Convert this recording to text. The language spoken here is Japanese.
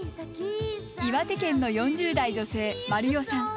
岩手県の４０代・女性まりおさん。